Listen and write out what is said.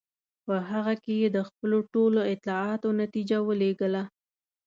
په هغه کې یې د خپلو ټولو اطلاعاتو نتیجه ولیکله.